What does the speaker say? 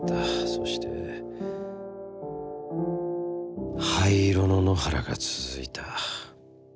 そして灰色の野原がつづいた。